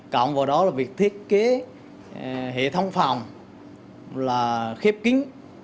cộng vào đó là việc thiết kế hệ thống phòng là khép kín